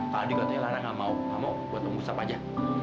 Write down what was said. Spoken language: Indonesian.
kalau di katanya lara nggak mau kamu buat om gustaf aja